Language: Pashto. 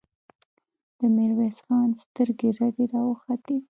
د ميرويس خان سترګې رډې راوختې.